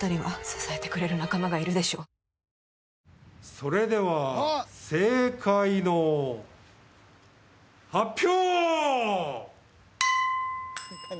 それでは正解の発表！